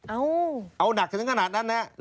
อ้าวเอาหนักขนาดนั้นเนี่ย